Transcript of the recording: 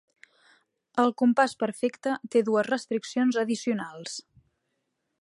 El compàs perfecte té dues restriccions addicionals.